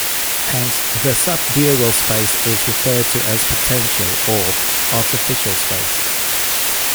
Hence, the subdural space is referred to as "potential" or "artificial" space.